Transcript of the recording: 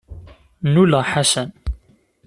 Nnuleɣ Ḥasan.